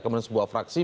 kemudian sebuah fraksi